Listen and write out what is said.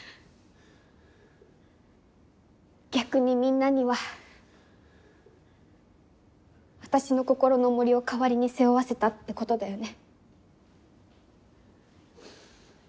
逆にみんなには私の心の重りを代わりに背負わせたってことだよね？